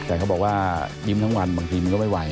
แต่เขาบอกว่ายิ้มทั้งวันบางทีมันก็ไม่ไหว